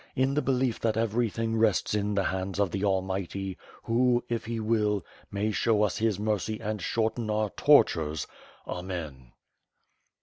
In the belief that everything rests in the hands of the Almighty, who, if He will, may show us His mercy and shorten our tortures, Amen.".